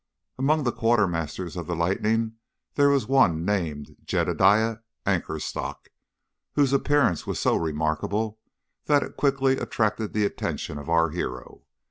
"Among the quartermasters of the Lightning there was one named Jedediah Anchorstock, whose appearance was so remarkable that it quickly attracted the attention of our hero.